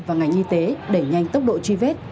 và ngành y tế đẩy nhanh tốc độ truy vết